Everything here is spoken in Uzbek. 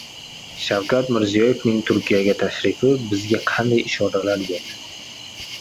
Shavkat Mirziyoyevning Turkiyaga tashrifi bizga qanday ishoralar berdi?